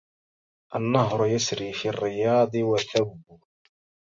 النهر يسري في الرياض وثوبه